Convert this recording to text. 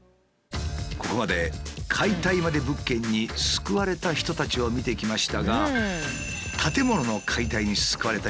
ここまで解体まで物件に救われた人たちを見てきましたが。